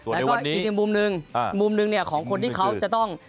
แล้วก็อีกมุมนึงมุมนึงของคนที่เขาจะต้อง